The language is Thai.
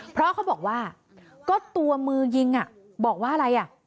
เพราะเขาบอกว่าก็ตัวมือยิงบอกว่าอะไรอ่ะ